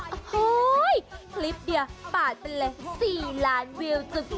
โอ้โฮคลิปเนี่ยป่านเป็นไร๔ล้านวิวจุก